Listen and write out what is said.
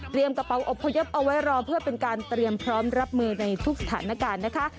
กระเป๋าอบพยพเอาไว้รอเพื่อเป็นการเตรียมพร้อมรับมือในทุกสถานการณ์นะคะ